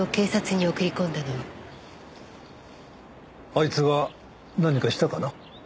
あいつが何かしたかな？